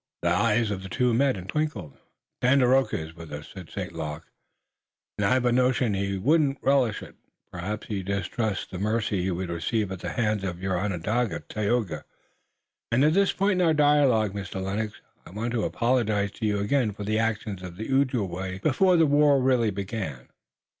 The eyes of the two met and twinkled. "Tandakora is with us," said St. Luc, "and I've a notion he wouldn't relish it. Perhaps he distrusts the mercy he would receive at the hands of your Onondaga, Tayoga. And at this point in our dialogue, Mr. Lennox, I want to apologize to you again, for the actions of the Ojibway before the war really began.